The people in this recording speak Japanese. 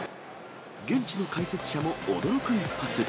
現地の解説者も驚く一発。